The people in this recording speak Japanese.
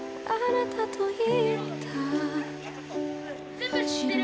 全部知ってる！